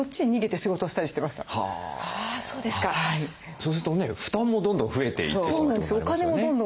そうすると負担もどんどん増えていってしまうってことになりますよね。